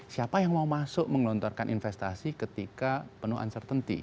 siapa yang mau masuk menggelontorkan investasi ketika penuh uncertainty